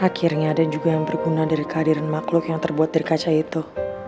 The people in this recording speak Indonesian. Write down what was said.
akhirnya ada juga yang berguna dari kehadiran makhluk yang terbuat dari kaca itu